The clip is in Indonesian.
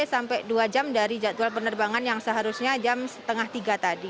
sampai dua jam dari jadwal penerbangan yang seharusnya jam setengah tiga tadi